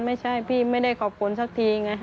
ไม่ใช่พี่ไม่ได้ขอบคุณสักทีไง